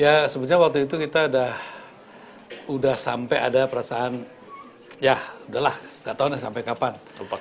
ya sebetulnya waktu itu kita udah sampai ada perasaan yaudah lah gak tau sampai kapan